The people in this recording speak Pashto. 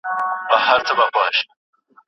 که سياسي شعور نه وي د ډيموکراسۍ پلي کول سوني نه دي.